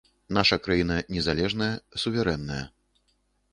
Наша краіна незалежная, суверэнная.